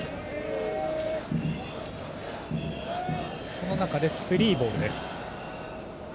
その中でスリーボールです。